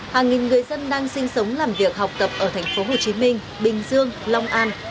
hàng nghìn người dân đang sinh sống làm việc học tập ở thành phố hồ chí minh bình dương long an